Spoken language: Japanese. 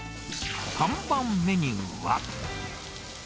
看板メニューは。